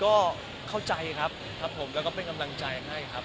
ก็เข้าใจครับครับผมแล้วก็เป็นกำลังใจให้ครับ